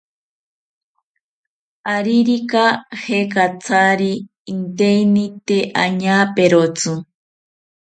Aririka jekatzari inteini tee añaperotzi